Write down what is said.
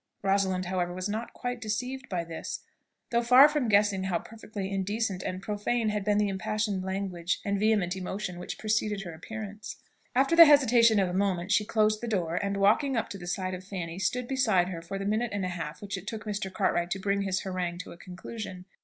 Rosalind, however, was not quite deceived by this, though far from guessing how perfectly indecent and profane had been the impassioned language and vehement emotion which preceded her appearance. After the hesitation of a moment, she closed the door, and walking up to the side of Fanny, stood beside her for the minute and a half which it took Mr. Cartwright to bring his harangue to a conclusion.